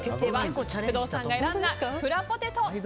工藤さんが選んだくらポテト